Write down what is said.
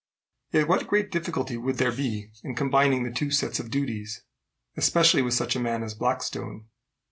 "Yet what great difficulty would there be in combining the two sets of duties, especially with such a man as Blackstone?